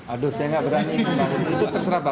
aduh saya gak berani itu terserah bapak